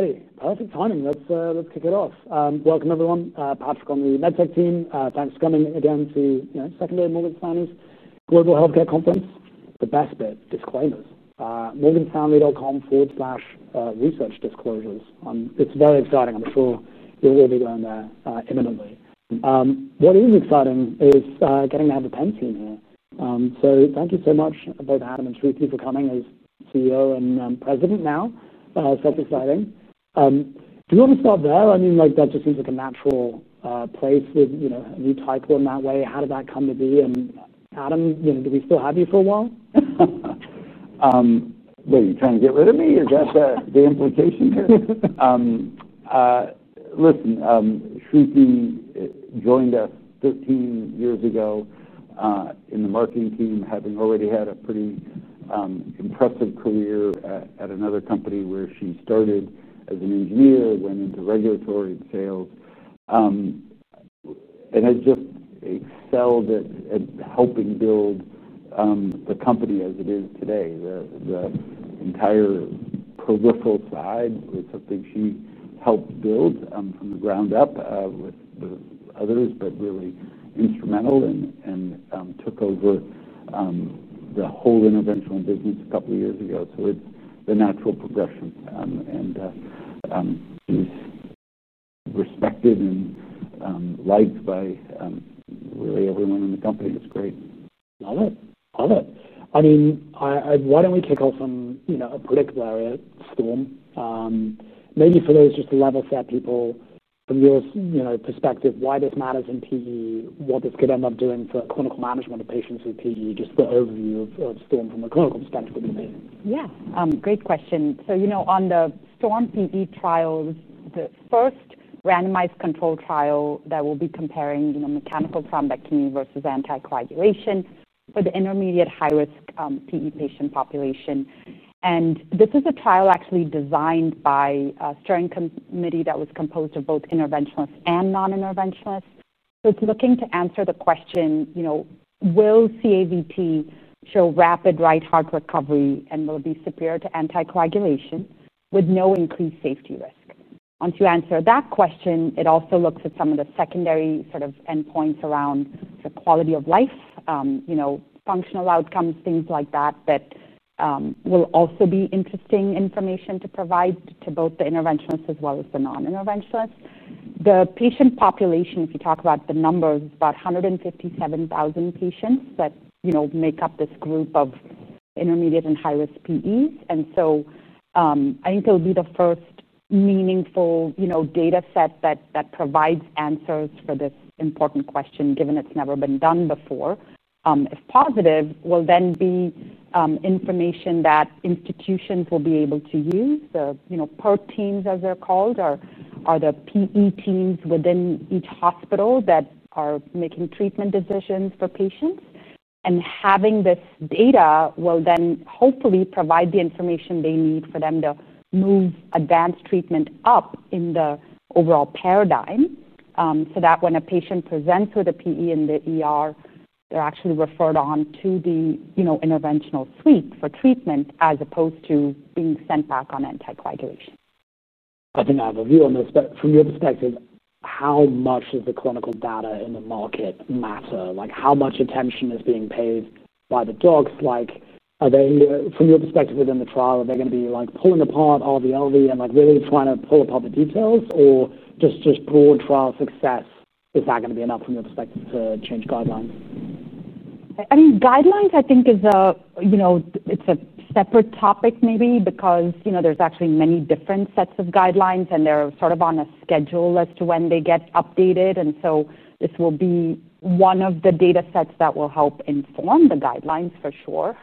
All righty. Perfect timing. Let's kick it off. Welcome, everyone. Patrick on the MedTech team. Thanks for coming again to secondary mortgage plannings, global healthcare companies. The best bit, disclaimers. MorganFoundry.com/researchdisclosures. It's very exciting. I'm sure you'll all be going there imminently. What is exciting is getting to have the Penumbra team here. Thank you so much, both Adam and Shruthi, for coming as CEO and President now. Self-exciting. Do you want to start there? I mean, that just seems like a natural place with a new typo in that way. How did that come to be? Adam, you know, do we still have you for a while? Are you trying to get rid of me or just the implication here? Listen, Shruthi joined 15 years ago in the marketing team, having already had a pretty impressive career at another company where she started as an engineer, went into regulatory and sales, and has just excelled at helping build the company as it is today. The entire peripheral side was something she helped build from the ground up with the others, really instrumental and took over the whole intervention in business a couple of years ago. It's the natural progression. She's respected and liked by really everyone in the company. It's great. Got it. Got it. I mean, why don't we kick off on a particular area, STORM? Maybe for those just level set people from your perspective, why this matters in PE, what this could end up doing for clinical management of patients with PE, just the overview of STORM from a clinical perspective would be neat. Great question. On the STORM- PE trial, the first randomized controlled trial, we'll be comparing mechanical thrombectomy versus anticoagulation for the intermediate and high-risk pulmonary embolism patient population. This is a trial actually designed by a steering committee that was composed of both interventionists and non-interventionists. It's looking to answer the question, will CAVT show rapid right heart recovery and will it be superior to anticoagulation with no increased safety risk? Once you answer that question, it also looks at some of the secondary endpoints around the quality of life, functional outcomes, things like that, that will also be interesting information to provide to both the interventionists as well as the non-interventionists. The patient population, if you talk about the numbers, is about 157,000 patients that make up this group of intermediate and high-risk pulmonary embolisms. I think it'll be the first meaningful data set that provides answers for this important question given it's never been done before. If positive, it will then be information that institutions will be able to use, the PERT teams, as they're called, or the PE teams within each hospital that are making treatment decisions for patients. Having this data will then hopefully provide the information they need for them to move advanced treatment up in the overall paradigm so that when a patient presents with a PE, they're actually referred on to the interventional suite for treatment as opposed to being sent back on anticoagulation. I think I have a view on this, but from your perspective, how much does the clinical data in the market matter? How much attention is being paid by the docs? Are they, from your perspective within the trial, going to be pulling apart RV/LV and really trying to pull apart the details, or just broad trial success? Is that going to be enough from your perspective to change guidelines? I mean, guidelines, I think, is a separate topic maybe because there's actually many different sets of guidelines, and they're sort of on a schedule as to when they get updated. This will be one of the data sets that will help inform the guidelines for sure.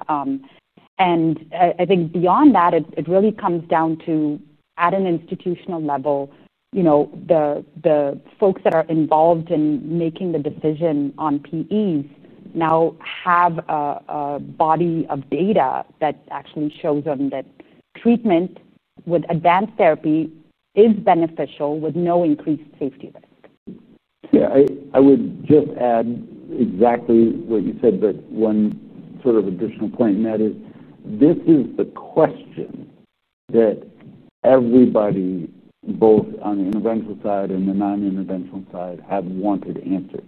I think beyond that, it really comes down to, at an institutional level, the folks that are involved in making the decision on PE now have a body of data that actually shows them that treatment with advanced therapy is beneficial with no increased safety risk. Yeah. I would just add exactly what you said, but one sort of additional point, and that is this is the question that everybody, both on the interventional side and the non-interventional side, have wanted answered.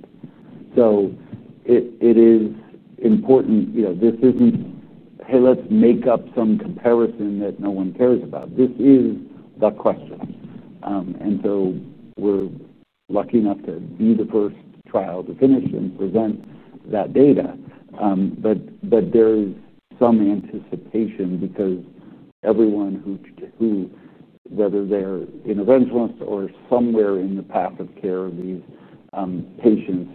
It is important. You know, this isn't, "Hey, let's make up some comparison that no one cares about." This is the question, and we're lucky enough to be the first trial to finish and present that data. There is some anticipation because everyone who, whether they're interventionists or somewhere in the path of care of these patients,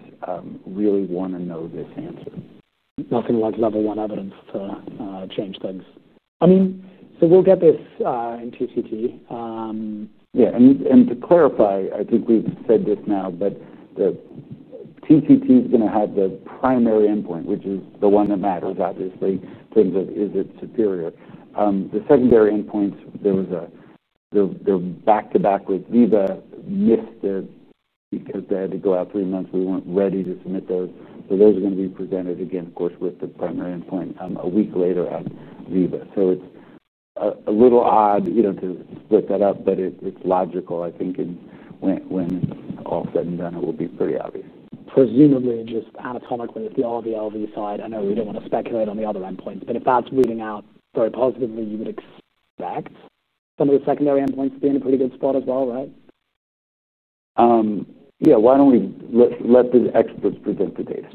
really want to know this answer. You're talking like level one evidence to change things. I mean, we'll get this in TTT. Yeah. To clarify, I think we've said this now, but the TTT is going to have the primary endpoint, which is the one that matters, obviously, things of, is it superior? The secondary endpoints, there was a they're back-to-back with VIVA missed it because they had to go out three months. We weren't ready to submit those. Those are going to be presented again, of course, with the primary endpoint a week later on VIVA. It's a little odd, you know, to split that up, but it's logical, I think, and when all said and done, it will be pretty obvious. Presumably, just anatomically, if the RV/LV side, I know you don't want to speculate on the other endpoints, but if that's reading out very positively, you would expect some of the secondary endpoints to be in a pretty good spot as well, right? Yeah, why don't we let the experts present the data?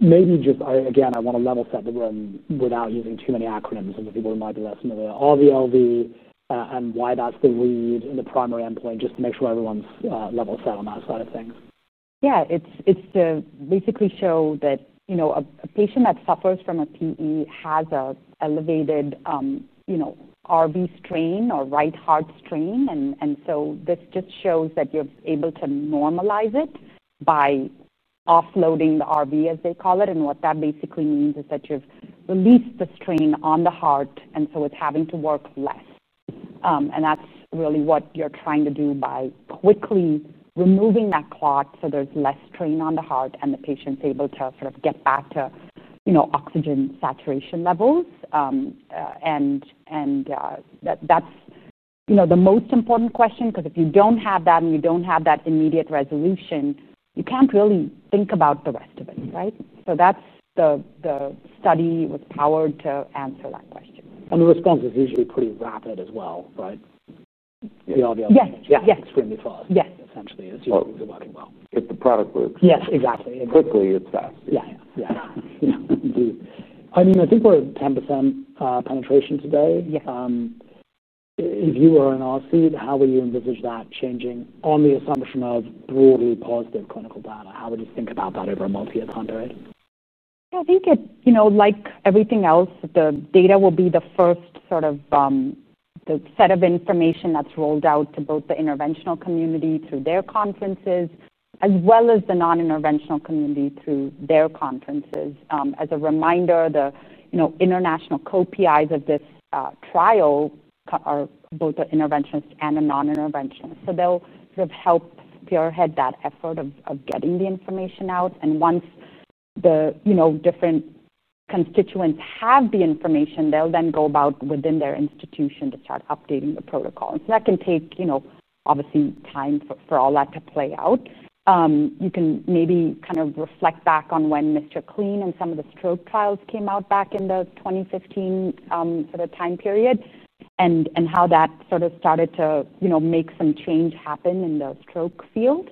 Maybe just, again, I want to level set the room without using too many acronyms so that people might be less familiar. RV/LV and why that's the lead and the primary endpoint, just to make sure everyone's level set on that side of things. Yeah. It's to basically show that, you know, a patient that suffers from a PE has an elevated, you know, RV strain or right heart strain. This just shows that you're able to normalize it by offloading the RV, as they call it. What that basically means is that you've released the strain on the heart, and it's having to work less. That's really what you're trying to do by quickly removing that clot so there's less strain on the heart, and the patient's able to sort of get back to, you know, oxygen saturation levels. That's the most important question because if you don't have that and you don't have that immediate resolution, you can't really think about the rest of it, right? The study was powered to answer that question. The response is usually pretty rapid as well, right? Yeah. Yeah, it's extremely fast. Yeah. Essentially, it's just working well. If the product works. Yes, exactly. Quickly, it's fast. Yeah, yeah. I think we're at 10% penetration today. Yeah. If you were an RC, how would you envisage that changing on the assumption of broadly positive clinical data? How would you think about that over a multi-year timeframe? Yeah. I think it's, you know, like everything else, the data will be the first sort of set of information that's rolled out to both the interventional community through their conferences, as well as the non-interventional community through their conferences. As a reminder, the international co-PIs of this trial are both the interventionists and the non-interventionists. They'll sort of help spearhead that effort of getting the information out. Once the different constituents have the information, they'll then go about within their institution to start updating the protocol. That can take, you know, obviously time for all that to play out. You can maybe kind of reflect back on when MR CLEAN and some of the stroke trials came out back in 2015, for the time period and how that sort of started to, you know, make some change happen in the stroke field.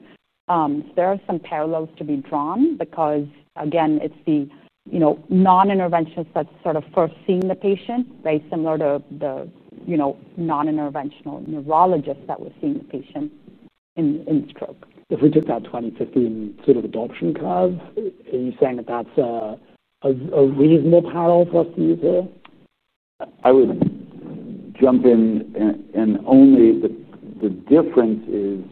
There are some parallels to be drawn because, again, it's the non-interventionist that's sort of first seeing the patient, right, similar to the non-interventional neurologist that was seeing the patient in stroke. If we took that 2015 sort of adoption curve, are you saying that that's a reasonable parallel for us to use here? I wouldn't jump in. The difference is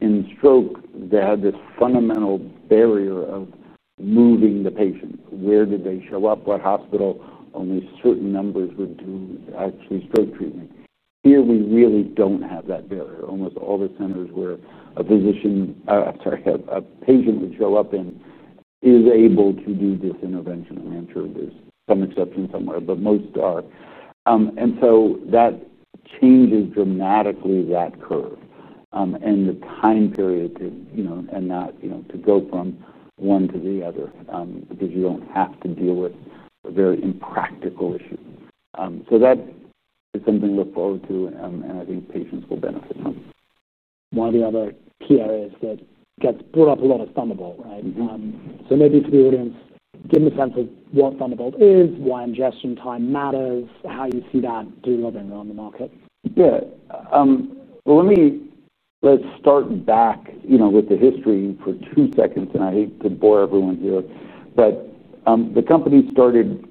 in stroke, there's this fundamental barrier of moving the patient. Where did they show up? What hospital? Only certain numbers would do actually stroke treatment. Here, we really don't have that barrier. Almost all the centers where a physician, I'm sorry, a patient would show up in is able to do this intervention and answer this. Some exceptions somewhere, but most are. That changes dramatically that curve and the time period, you know, to go from one to the other, because you don't have to deal with a very impractical issue. That is something to look forward to, and I think patients will benefit from. One of the other PRs that gets brought up a lot is Thunderbolt, right? Mm-hmm. Maybe for the audience, give me a sense of what Thunderbolt is, why ingestion time matters, how you see that doing well in the market. Yeah, let me start back, you know, with the history for two seconds. I hate to bore everyone here, but the company started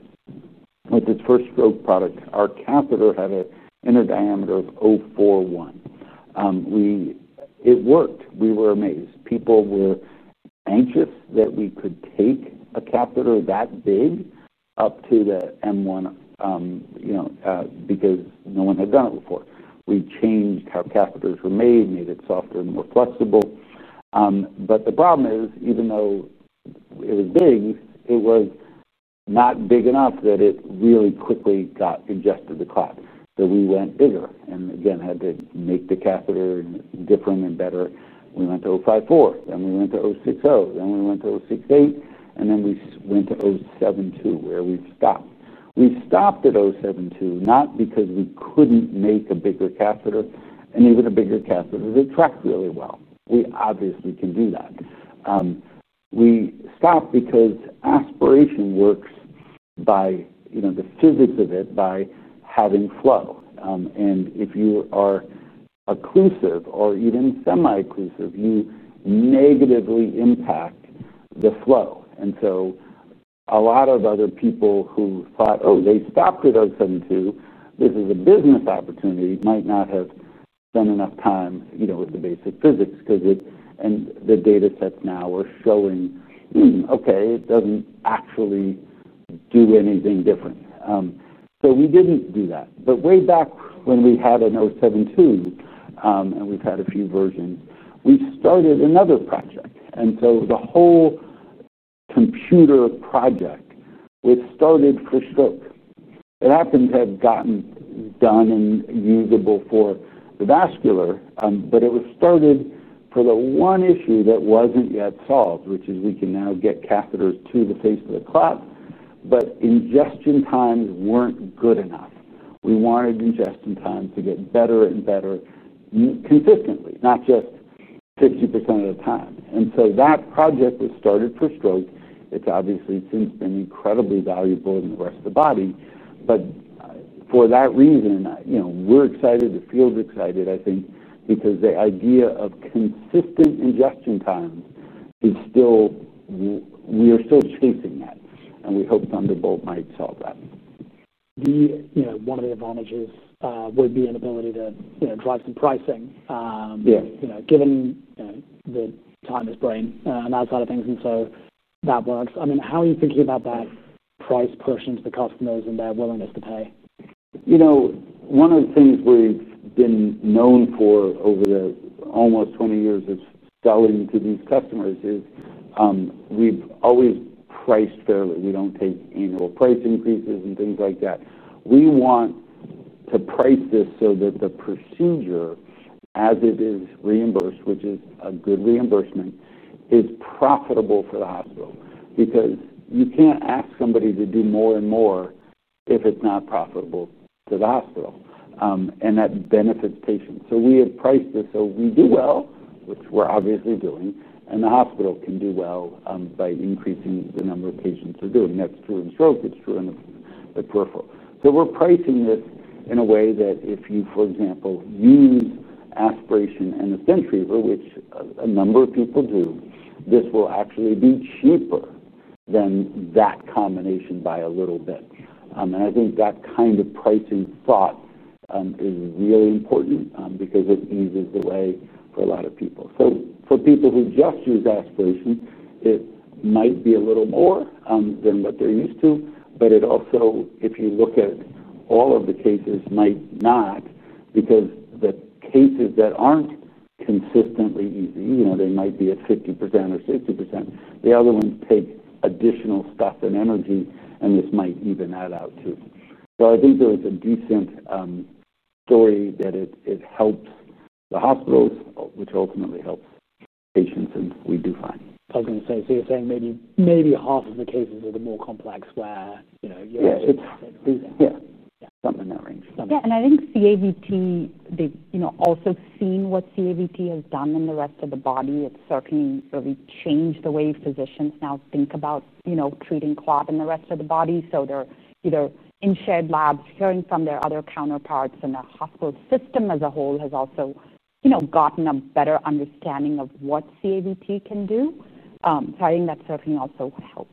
with its first stroke product. Our catheter had an inner diameter of 0.041 in. It worked. We were amazed. People were anxious that we could take a catheter that big up to the M1, you know, because no one had done it before. We changed how catheters were made, made it softer and more flexible, but the problem is, even though it was big, it was not big enough that it really quickly got ingested the clot. We went bigger and again had to make the catheter different and better. We went to 0.054 in, then we went to 0.060 in, then we went to 0.068 in, and then we went to 0.072 in where we stopped. We stopped at 0.072 in, not because we couldn't make a bigger catheter, even a bigger catheter that tracks really well. We obviously can do that. We stopped because aspiration works by, you know, the physics of it by having flow, and if you are occlusive or even semi-occlusive, you negatively impact the flow. A lot of other people who thought, "Oh, they stopped at 0.072 in. This is a business opportunity," might not have spent enough time, you know, with the basic physics because it and the data sets now are showing, okay, it doesn't actually do anything different. We didn't do that. Way back when we had a 0.072 in and we've had a few versions, we started another project. The whole computer project was started for stroke. It happened to have gotten done and usable for the vascular, but it was started for the one issue that wasn't yet solved, which is we can now get catheters to the face of the clot, but ingestion times weren't good enough. We wanted ingestion time to get better and better consistently, not just 60% of the time. That project was started for stroke. It's obviously since been incredibly valuable in the rest of the body. For that reason, you know, we're excited. The field is excited, I think, because the idea of consistent ingestion time is still, we are still chasing that. We hope Thunderbolt might solve that. One of the advantages would be an ability to drive some pricing. Yeah. Given the time is brain and that side of things, that works. I mean, how are you thinking about that price push into the customers and their willingness to pay? One of the things we've been known for over the almost 20 years of selling to these customers is, we've always priced fairly. We don't take annual price increases and things like that. We want to price this so that the procedure, as it is reimbursed, which is a good reimbursement, is profitable for the hospital because you can't ask somebody to do more and more if it's not profitable to the hospital. That benefits patients. We had priced it so we do well, which we're obviously doing, and the hospital can do well, by increasing the number of patients they're doing. That's true in stroke. It's true in the peripheral. We're pricing this in a way that if you, for example, use aspiration and a thin treater, which a number of people do, this will actually be cheaper than that combination by a little bit. I think that kind of pricing thought is really important, because it eases the way for a lot of people. For people who just use aspiration, it might be a little more than what they're used to. If you look at all of the cases, it might not because the cases that aren't consistently easy, you know, they might be at 50% or 60%. The other ones take additional stuff and energy, and this might even add out too. I think there is a decent story that it helps the hospitals, which ultimately helps patients, and we do fine. I was going to say, you're saying maybe half of the cases are the more complex where, you know, you're just these. Yeah. Yeah. Something in that range. Yeah. I think CAVT, they've also seen what CAVT has done in the rest of the body. It's certainly really changed the way physicians now think about, you know, treating clot in the rest of the body. They're either in shared labs, hearing from their other counterparts, and the hospital system as a whole has also, you know, gotten a better understanding of what CAVT can do. I think that's certainly also what helps.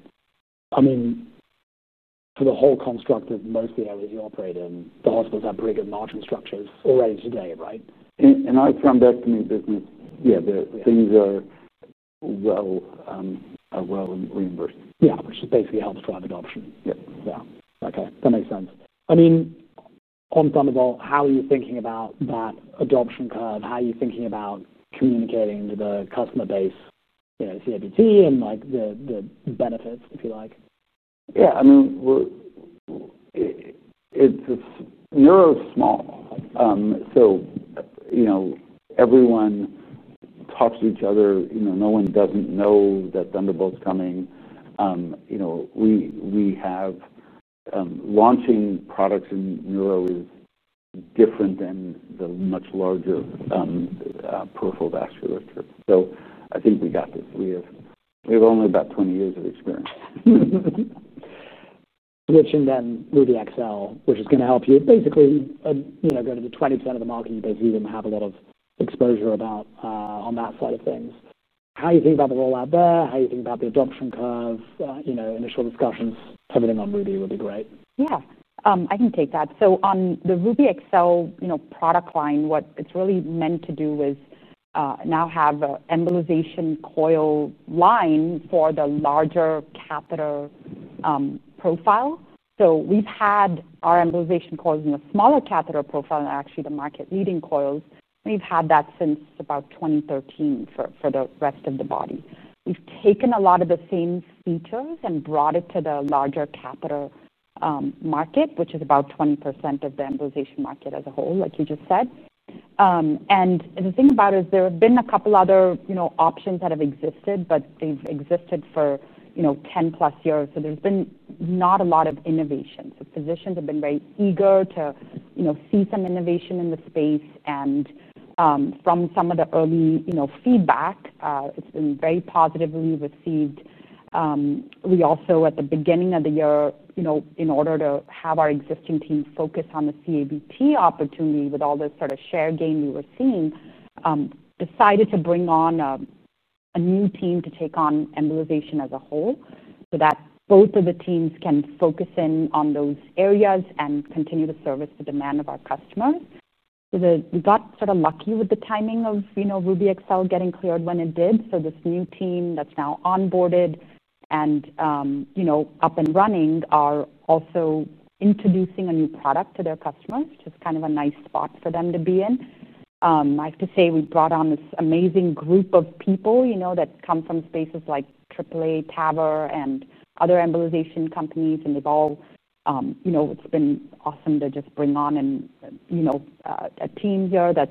I mean, for the whole construct of most of the areas you operate in, the hospitals have pretty good margin structures already today, right? In our thrombectomy business, the things are well reimbursed. Yeah, which basically helps drive adoption. Yeah. Yeah. Okay. That makes sense. I mean, on Thunderbolt, how are you thinking about that adoption curve? How are you thinking about communicating to the customer base, you know, CAVT and the benefits, if you like? Yeah. I mean, it's a neuro small. Everyone talks to each other. No one doesn't know that Thunderbolt's coming. Launching products in neuro is different than the much larger peripheral vasculature. I think we got this. We have only about 20 years of experience. Getting them through the XL, which is going to help you basically go to the 20% of the market because you didn't have a lot of exposure on that side of things. How are you thinking about the rollout there? How are you thinking about the adoption curve? Initial discussions, everything on Ruby would be great. Yeah. I can take that. On the Ruby XL product line, what it's really meant to do is now have an embolization coil line for the larger catheter profile. We've had our embolization coils in a smaller catheter profile and are actually the market-leading coils. We've had that since about 2013 for the rest of the body. We've taken a lot of the same features and brought it to the larger catheter market, which is about 20% of the embolization market as a whole, like you just said. The thing about it is there have been a couple other options that have existed, but they've existed for 10+ years. There's been not a lot of innovation. Physicians have been very eager to see some innovation in the space. From some of the early feedback, it's been very positively received. We also, at the beginning of the year, in order to have our existing team focus on the CAVT opportunity with all this sort of share gain we were seeing, decided to bring on a new team to take on embolization as a whole so that both of the teams can focus in on those areas and continue to service the demand of our customers. We got sort of lucky with the timing of Ruby XL getting cleared when it did. This new team that's now onboarded and up and running are also introducing a new product to their customers, which is kind of a nice spot for them to be in. I have to say we brought on this amazing group of people that come from spaces like AAA, TAVR, and other embolization companies, and they've all, it's been awesome to just bring on a team here that's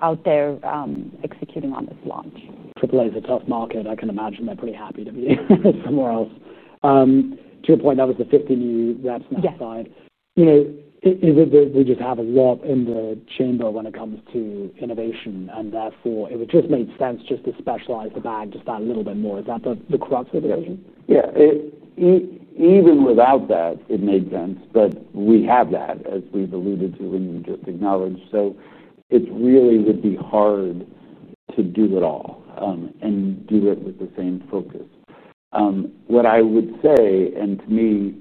out there, executing on this launch. AAA is a tough market. I can imagine they're pretty happy to be somewhere else. To your point, that was the 15-year investment side. Is it that we just have a lot in the chamber when it comes to innovation, and therefore, it would just make sense to specialize the bag just that little bit more? Is that the crux of the issue? Yeah. Even without that, it made sense. We have that, as we've alluded to and just acknowledged. It really would be hard to do it all and do it with the same focus. What I would say, and to me,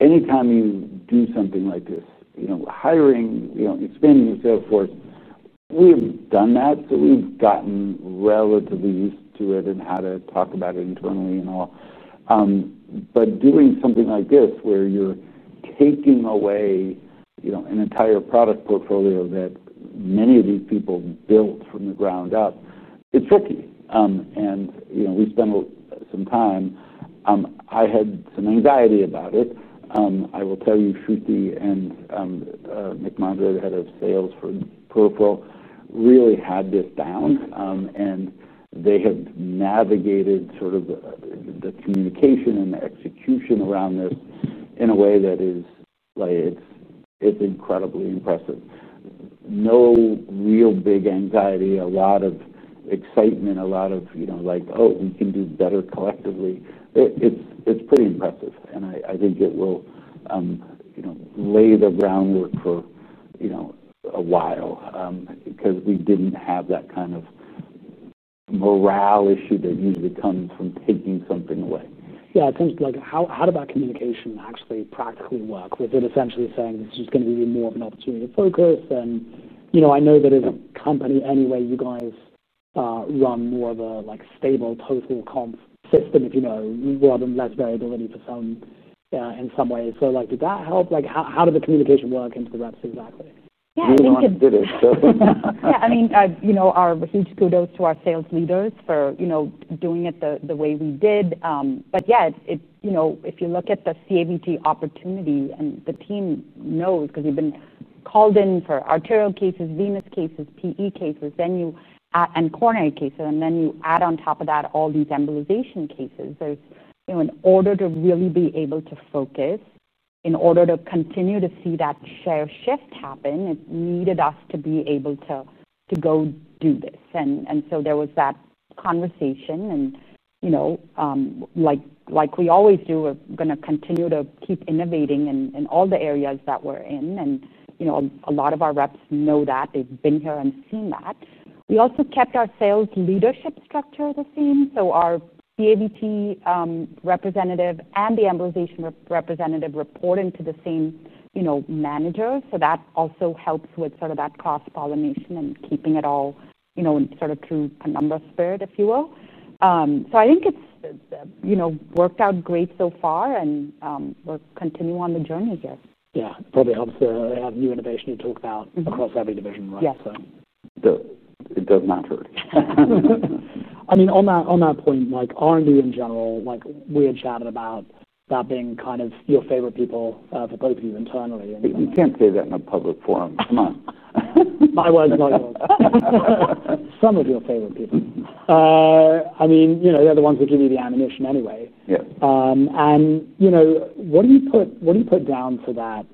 anytime you do something like this, you know, hiring, expanding and so forth, we have done that. We've gotten relatively used to it and how to talk about it internally and all. Doing something like this where you're taking away an entire product portfolio that many of these people built from the ground up, it's tricky. We spent some time. I had some anxiety about it. I will tell you, Shruthi and [McMonroe], the Head of Sales for Peripheral, really had this down. They have navigated the communication and the execution around this in a way that is incredibly impressive. No real big anxiety, a lot of excitement, a lot of, you know, like, "Oh, we can do better collectively." It's pretty impressive. I think it will lay the groundwork for a while, because we didn't have that kind of morale issue that usually comes from taking something away. I think, how did that communication actually practically work? They did essentially say, "This is just going to be more of an opportunity to focus." I know that as a company anyway, you guys are on more of a stable total comp system if you want less variability in some ways. Did that help? How did the communication work into the rest exactly? Yeah, I think it did. We did it. Yeah. I mean, huge kudos to our sales leaders for doing it the way we did. If you look at the CAVT opportunity and the team knows because you've been called in for arterial cases, venous cases, PE cases, then you add coronary cases, and then you add on top of that all these embolization cases. In order to really be able to focus, in order to continue to see that share shift happen, it needed us to be able to go do this. There was that conversation. Like we always do, we're going to continue to keep innovating in all the areas that we're in. A lot of our reps know that. They've been here and seen that. We also kept our sales leadership structure the same. Our CAVT representative and the embolization representative report into the same manager. That also helps with sort of that cross-pollination and keeping it all, sort of to a number spared, if you will. I think it's worked out great so far, and we'll continue on the journey, I guess. Yeah, it's probably obviously a new innovation you talk about across every division, right? Yeah, it does matter. I mean, on that point, like R&D in general, like we had chatted about that being kind of your favorite people for both of you internally. You can't say that in a public forum. Come on. Some of your favorite people. I mean, you know, they're the ones that give you the ammunition anyway. Yeah. What do you put down for that,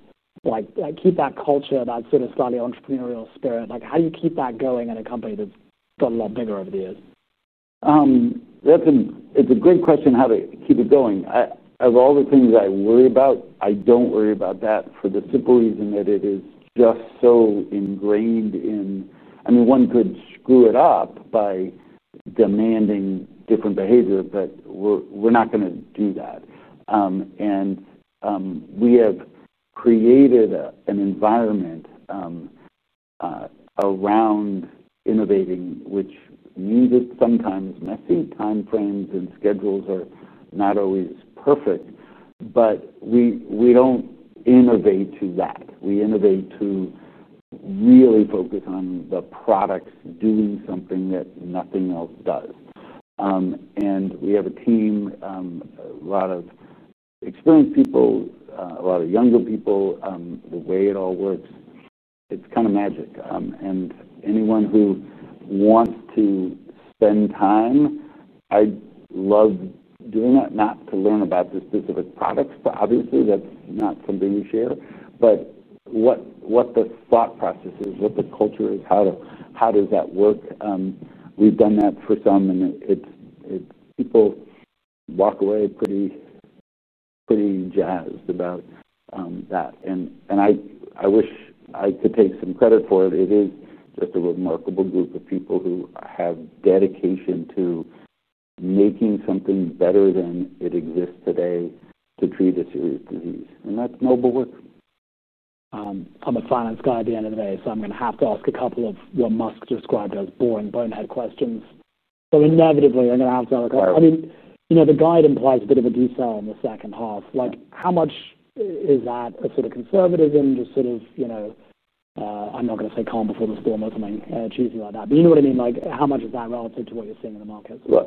like keep that culture, that sort of starting entrepreneurial spirit? How do you keep that going in a company that's gotten a lot bigger over the years? That's a great question how to keep it going. Of all the things I worry about, I don't worry about that for the simple reason that it is just so ingrained in, I mean, one could screw it up by demanding different behavior, but we're not going to do that. We have created an environment around innovating, which needs sometimes messy timeframes and schedules are not always perfect. We don't innovate to that. We innovate to really focus on the product doing something that nothing else does. We have a team, a lot of experienced people, a lot of younger people, the way it all works, it's kind of magic. Anyone who wants to spend time, I love doing that, not to learn about the specific products, but obviously, that's not something we share. What the thought process is, what the culture is, how does that work? We've done that for some, and people walk away pretty jazzed about that. I wish I could take some credit for it. It is just a remarkable group of people who have dedication to making something better than it exists today to treat a serious disease. That's mobile work. I'm a finance guy at the end of the day, so I'm going to have to ask a couple of your, as Musk described, boring bonehead questions. I'm going to have to ask a couple. The guide implies a bit of a detail in the second half. How much is that a sort of conservatism, just sort of, you know, I'm not going to say calm before the storm or something like that. You know what I mean? How much is that relative to what you're seeing in the markets? Right.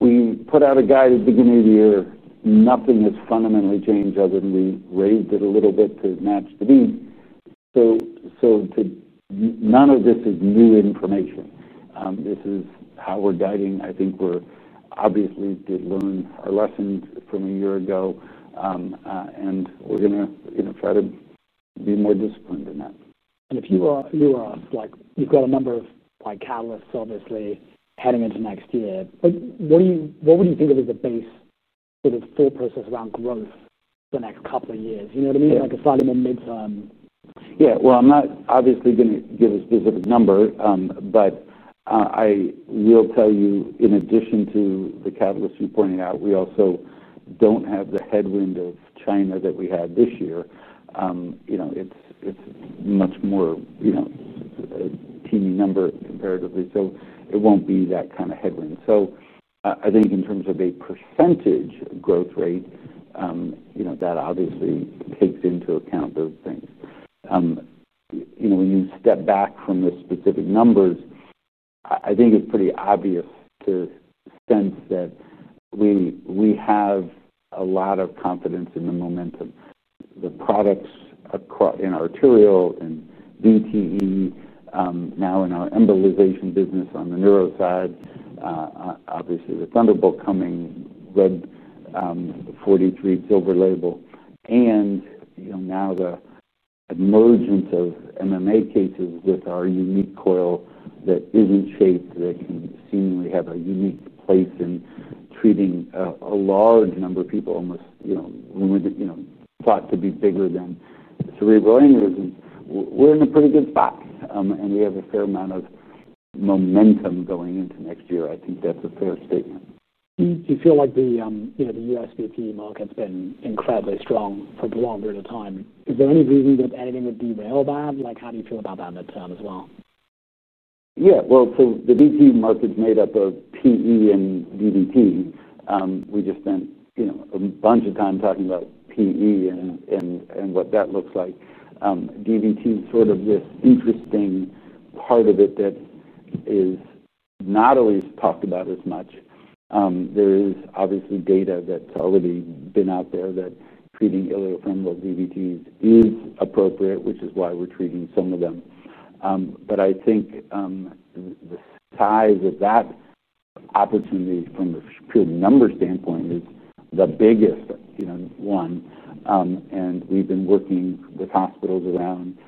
We put out a guide at the beginning of the year. Nothing has fundamentally changed other than we raised it a little bit to match the need. None of this is new information. This is how we're guiding. I think we obviously did learn our lessons from a year ago, and we're going to try to be more disciplined in that. You have a number of catalysts, obviously, heading into next year. What would you think of as the base in its thought process around growth the next couple of years? You know what I mean, like a slightly more midterm. I'm not obviously going to give a specific number, but I will tell you, in addition to the catalysts you pointed out, we also don't have the headwind of China that we had this year. It's much more, you know, a teeny number comparatively. It won't be that kind of headwind. I think in terms of a [percentage] growth rate, that obviously takes into account those things. When you step back from the specific numbers, I think it's pretty obvious to sense that we have a lot of confidence in the momentum. The products across in arterial and DVT, now in our embolization business on the neuro side, obviously, the Thunderbolt coming, RED, the 43 Silver Label, and now the emergence of MMA cases with our unique coil that isn't shaped, that can seemingly have a unique place in treating a large number of people, almost, you know, when we just thought to be bigger than three volumes, we're in a pretty good spot. We have a fair amount of momentum going into next year. I think that's a fair statement. Do you feel like the U.S. market's been incredibly strong for the longer of the time? Is there any reason that anything would derail that? How do you feel about that midterm as well? Yeah. The DVT market's made up of PE and DVT. We just spent, you know, a bunch of time talking about PE and what that looks like. DVT is sort of this interesting part of it that is not always talked about as much. There is obviously data that's already been out there that treating iliofemoral DVTs is appropriate, which is why we're treating some of them. I think the size of that opportunity from a pure number standpoint is the biggest, you know, one. We've been working with hospitals around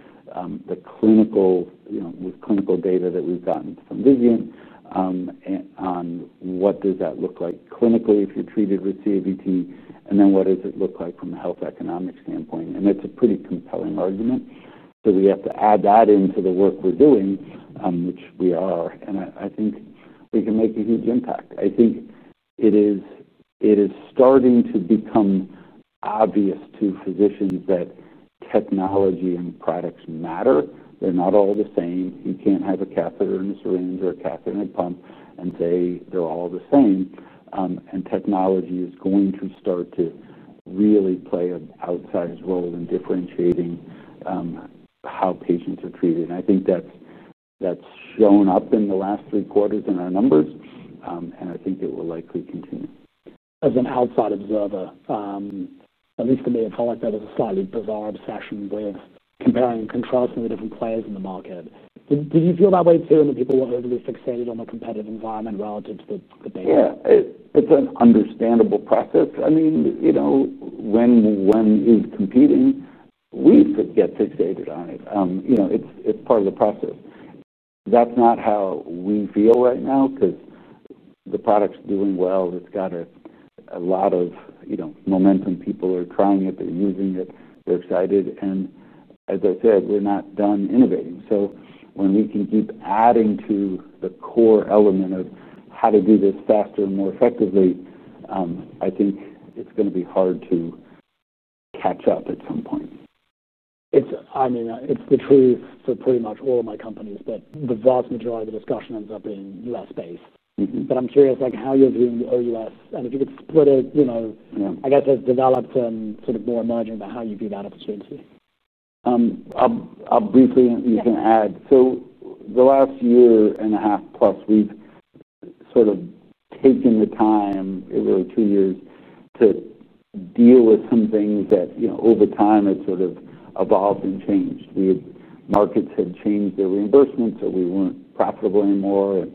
the clinical, you know, with clinical data that we've gotten from Vizient, and on what does that look like clinically if you're treated with CAVT, and then what does it look like from a health economic standpoint? That's a pretty compelling argument. We have to add that into the work we're doing, which we are, and I think we can make a huge impact. I think it is starting to become obvious to physicians that technology and products matter. They're not all the same. You can't have a catheter and a syringe or a catheter and a pump and say they're all the same. Technology is going to start to really play an outsized role in differentiating how patients are treated. I think that's shown up in the last three quarters in our numbers, and I think it will likely continue. As an outside observer, at least for me, it felt like there was a slightly bizarre fashion with comparing and contrasting the different players in the market. Did you feel that way too when people were overly fixated on the competitive environment relative to the data? Yeah. It's an understandable process. I mean, when you're competing, we get fixated on it. It's part of the process. That's not how we feel right now because the product's doing well. It's got a lot of momentum. People are trying it, they're using it, they're excited. As I said, we're not done innovating. When we can keep adding to the core element of how to do this faster and more effectively, I think it's going to be hard to catch up at some point. It's. I mean, it's the truth for pretty much all of my companies, but the vast majority of the discussion ends up being U.S.-based. I'm curious how you're viewing the OUS, and if you could split it, you know, I guess it's developed and sort of more emerging, about how you view that opportunity. I'll briefly, you can add. The last year and a half plus, we've sort of taken the time, over two years, to deal with some things that, you know, over time, it sort of evolved and changed. We had markets change their reimbursements, so we weren't profitable anymore.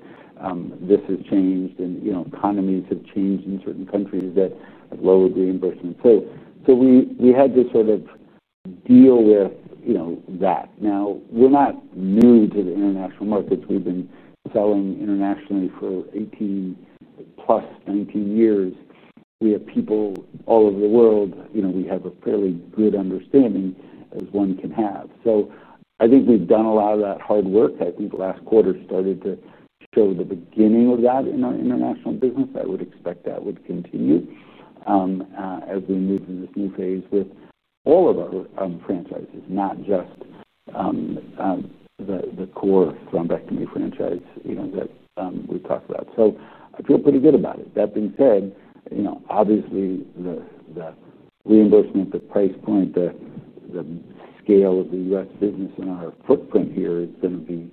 This has changed. You know, economies have changed in certain countries that have lowered reimbursement. We had to sort of deal with that. Now, we're not new to the international markets. We've been selling internationally for 80+, 80 years. We have people all over the world. We have a fairly good understanding as one can have. I think we've done a lot of that hard work. I think last quarter started to show the beginning of that in our international business. I would expect that would continue as we move to this new phase with all of our franchises, not just the core thrombectomy franchise, you know, that we've talked about. I feel pretty good about it. That being said, obviously, the reimbursement, the price point, the scale of the U.S. business in our footprint here is going to be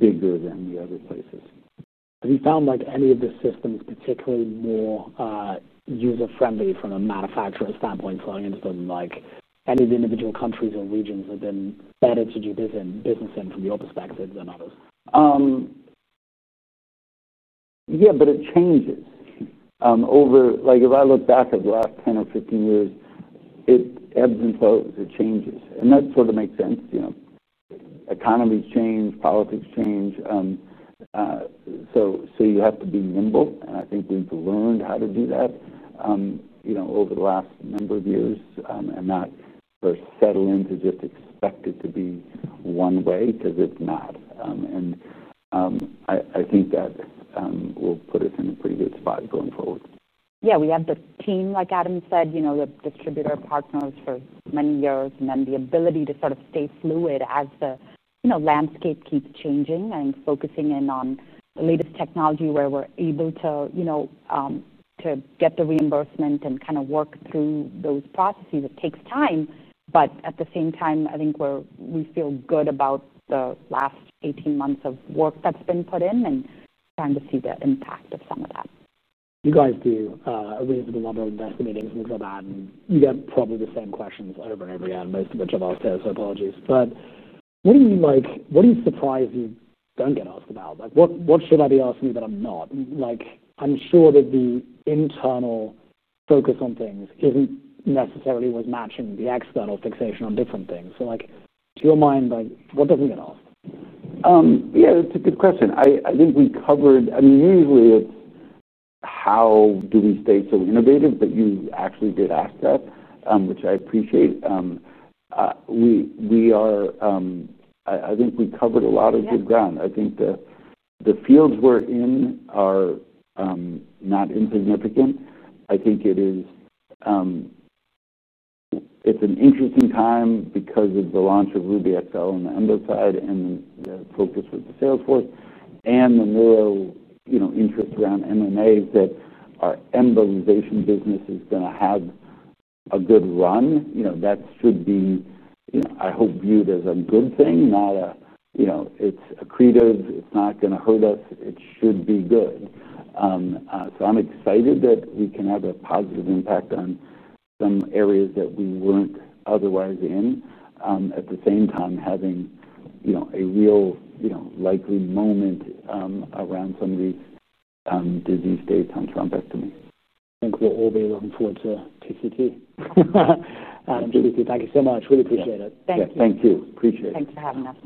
bigger than the other places. Have you found any of the systems particularly more user-friendly from a manufacturing standpoint, selling into them? Have any of the individual countries or regions been better to do business in from your perspective than others? Yeah, it changes. If I look back over the last 10 or 15 years, it ebbs and flows. It changes, and that sort of makes sense. Economies change. Politics change, so you have to be nimble. I think we've learned how to do that over the last number of years, and not first settle in to just expect it to be one way because it's not. I think that will put us in a pretty good spot going forward. Yeah. We have the team, like Adam said, the distributor partners for many years, and then the ability to sort of stay fluid as the landscape keeps changing and focusing in on the latest technology where we're able to get the reimbursement and kind of work through those processes. It takes time. At the same time, I think we feel good about the last 18 months of work that's been put in and trying to see the impact of some of that. You do a reasonable number of investor meetings with Rob, Adam. You get probably the same questions over and over again, most of which I've asked here, so apologies. What do you mean? What are you surprised you don't get asked about? What should I be asking you that I'm not? I'm sure that the internal focus on things isn't necessarily what's matching the external fixation on different things. To your mind, what doesn't get asked? Yeah, that's a good question. I think we covered, I mean, usually, it's how do we stay so innovative that you actually get asked that, which I appreciate. We are, I think we covered a lot of good ground. I think the fields we're in are not insignificant. I think it is, it's an interesting time because of the launch of Ruby XL on the MO side, and the focus with the Salesforce, and the neuro, you know, interest around MMA that our embolization business is going to have a good run. That should be, you know, I hope viewed as a good thing, not a, you know, it's accretive. It's not going to hurt us. It should be good. I'm excited that we can have a positive impact on some areas that we weren't otherwise in, at the same time having, you know, a real, you know, likely moment, around some of the disease-based thrombectomies. We'll all be looking forward to TTT. Thank you so much. Really appreciate it. Thank you. Thank you. Appreciate it. Thanks for having us.